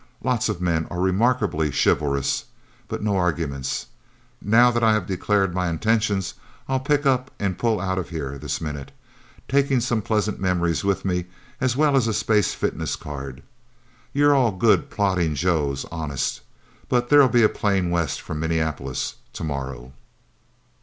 "Lots of men are remarkably chivalrous. But no arguments. Now that I have declared my intentions, I'll pick up and pull out of here this minute taking some pleasant memories with me, as well as a space fitness card. You're all good, plodding joes honest. But there'll be a plane west from Minneapolis tomorrow."